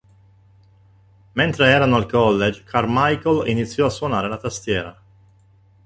Mentre erano al college Carmichael iniziò a suonare la tastiera.